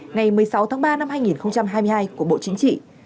ngày một mươi sáu tháng ba năm hai nghìn hai mươi hai của bộ chính trị